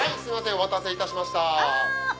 お待たせいたしました。